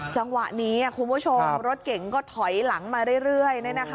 จังหวะนี้คุณผู้ชมรถเก๋งก็ถอยหลังมาเรื่อย